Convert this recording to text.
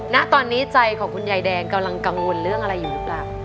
ณตอนนี้ใจของคุณยายแดงกำลังกังวลเรื่องอะไรอยู่หรือเปล่า